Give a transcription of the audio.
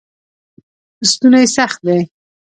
ستوني سخت دی.